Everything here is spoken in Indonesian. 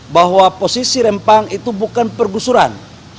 bahwa posisi rempang itu bukan pergusuran